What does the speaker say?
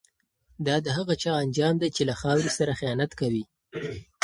دا د هغه چا انجام دی چي له خاوري سره خیانت کوي.